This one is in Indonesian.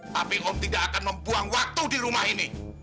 tapi om tidak akan membuang waktu di rumah ini